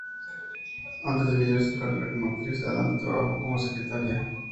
Antes de iniciar su carrera como actriz, Adams trabajó como secretaria.